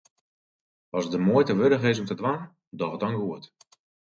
As it de muoite wurdich is om te dwaan, doch it dan goed.